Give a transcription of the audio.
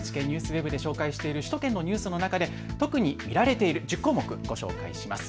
ＮＨＫＮＥＷＳＷＥＢで紹介している首都圏のニュースの中で特に見られている１０項目、ご紹介します。